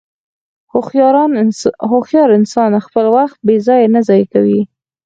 هوښیار انسان خپل وخت بېځایه نه ضایع کوي.